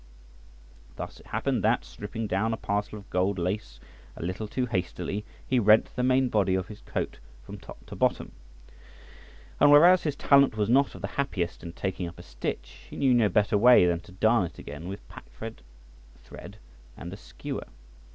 Thus it happened that, stripping down a parcel of gold lace a little too hastily, he rent the main body of his coat from top to bottom ; and whereas his talent was not of the happiest in taking up a stitch, he knew no better way than to darn it again with packthread thread and a skewer.